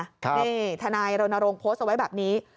นี่ทนายรณรงค์โพสต์เอาไว้แบบนี้